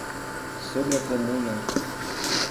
Sobre a Comuna